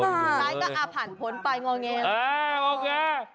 น้อยก็อฝันผลไปง้อยแงง